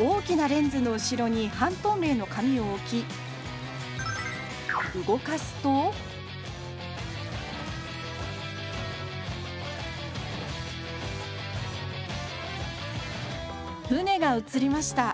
大きなレンズの後ろに半透明の紙を置き動かすと船が映りました。